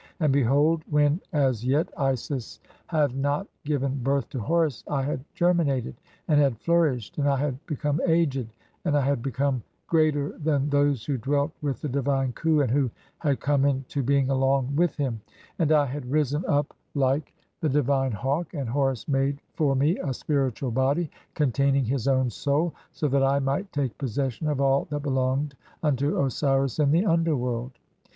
And behold, when as yet Isis "had not given birth to Horus, I had germinated, and had "flourished, and I had become aged, (19) and I had become "greater than those who dwelt with the divine Khu, and who "had come into being along with him. And I had risen up like THE CHAPTERS OF TRANSFORMATIONS. 1 35 "the divine hawk, and Horus made for me a spiritual body (20) "containing his own soul, so that I might take possession of all "that belonged unto Osiris in the underworld.